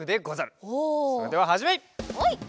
それでははじめい！